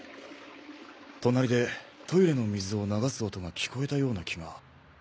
隣でトイレの水を流す音が聞こえたような気が。